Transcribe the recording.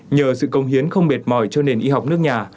nhờ sự công hiến không mệt mỏi cho nền y học nước nhà